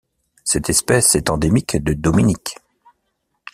Cette espèce est endémique de Dominique.